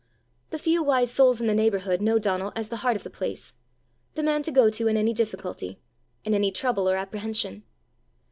The few wise souls in the neighbourhood know Donal as the heart of the place the man to go to in any difficulty, in any trouble or apprehension.